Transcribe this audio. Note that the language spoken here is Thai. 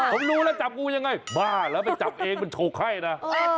ผมรู้แล้วจับงูยังไงบ้าแล้วไปจับเองมันโชว์ไข้นะ